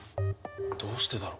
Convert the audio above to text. どうしてだろ？